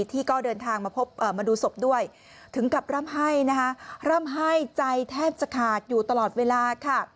ที่ก็เดินทางมาดูศพด้วยถึงกับร่ำไห้นะคะร่ำไห้ใจแทบจะขาดอยู่ตลอดเวลาค่ะ